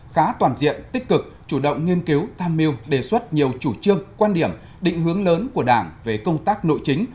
khá toàn diện tích cực chủ động nghiên cứu tham mưu đề xuất nhiều chủ trương quan điểm định hướng lớn của đảng về công tác nội chính